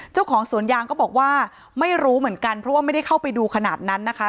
เจ้าของสวนยางก็บอกว่าไม่รู้เหมือนกันเพราะว่าไม่ได้เข้าไปดูขนาดนั้นนะคะ